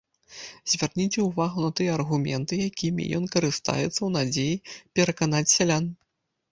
Звярніце ўвагу на тыя аргументы, якімі ён карыстаецца ў надзеі пераканаць сялян.